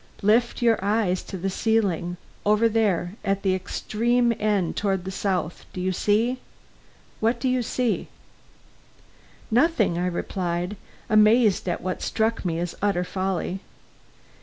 Lift your eyes to the ceiling over there at the extreme end toward the south do you see what do you see?" "Nothing," I replied, amazed at what struck me as utter folly.